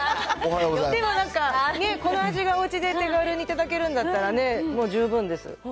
今、なんか、この味がね、おうちで手軽に頂けるんだったらね、もう十分です。